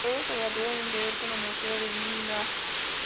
Luego se graduó en Derecho en la Universidad de Milán.